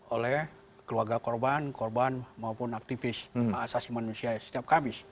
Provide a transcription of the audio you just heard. oleh keluarga korban korban maupun aktivis asasi manusia setiap kamis